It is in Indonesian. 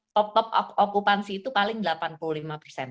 top top okupansi itu paling delapan puluh lima persen